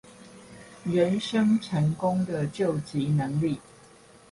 人生成功的究極能力